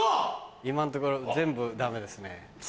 今んところ全部ダメですね。